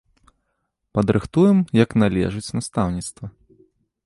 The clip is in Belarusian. Падрыхтуем як належыць настаўніцтва.